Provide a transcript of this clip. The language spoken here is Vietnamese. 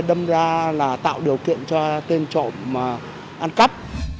đâm ra là tạo điều kiện cho tên trộm ăn cắp